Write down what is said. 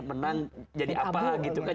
menang jadi apa gitu kan